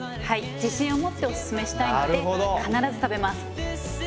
自信を持っておすすめしたいので必ず食べます。